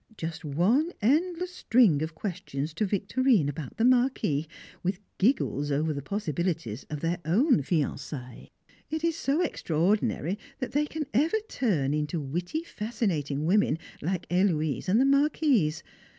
Just one endless string of questions to Victorine about the Marquis, with giggles over possibilities of their own fiançailles! It is so extraordinary that they can ever turn into witty, fascinating women like Héloise and the Marquise.